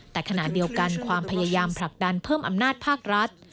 แต่ขณะเดียวกันความพยายามผลักดันเพิ่มอำนาจภาครัฐ